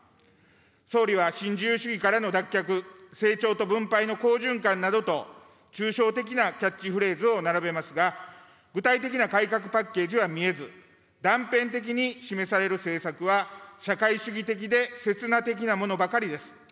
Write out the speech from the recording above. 総理は新自由主義からの脱却、成長と分配の好循環などと、抽象的なキャッチフレーズを並べますが、具体的な改革パッケージは見えず、断片的に示される政策は社会主義的で、刹那的なものばかりです。